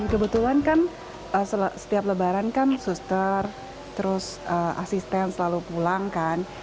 kebetulan kan setiap lebaran kan suster terus asisten selalu pulang kan